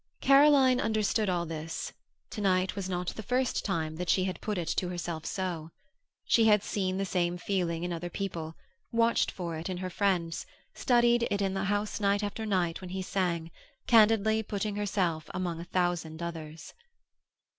Caroline understood all this; tonight was not the first time that she had put it to herself so. She had seen the same feeling in other people, watched for it in her friends, studied it in the house night after night when he sang, candidly putting herself among a thousand others.